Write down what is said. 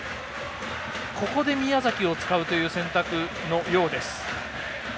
ここで、宮崎を使うという選択のようです。